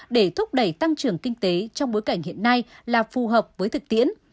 để thúc đẩy tăng trưởng kinh tế trong bối cảnh hiện nay là phù hợp với thực tiễn